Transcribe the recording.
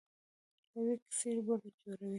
له یوې کیسې بله جوړوي.